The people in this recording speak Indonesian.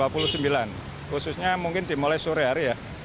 khususnya mungkin dimulai sore hari ya